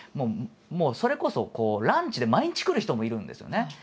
もうそれこそランチで毎日来る人もいるんですよね。